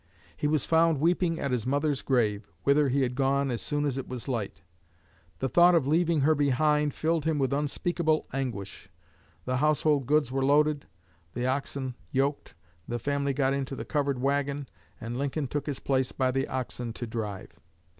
He was found weeping at his mother's grave, whither he had gone as soon as it was light. The thought of leaving her behind filled him with unspeakable anguish. The household goods were loaded, the oxen yoked, the family got into the covered wagon, and Lincoln took his place by the oxen to drive.